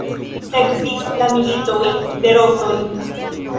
Sekvis la Militoj de Rozoj.